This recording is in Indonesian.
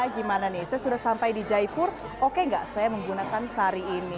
gimana nih saya sudah sampai di jaipur oke nggak saya menggunakan sari ini